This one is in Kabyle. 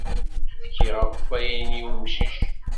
Fkiɣ akeffay-nni i wemcic.